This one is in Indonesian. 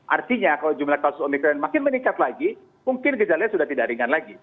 artinya kalau jumlah kasus omikron makin meningkat lagi mungkin gejalanya sudah tidak ringan lagi